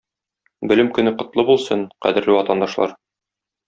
Белем көне котлы булсын, кадерле ватандашлар!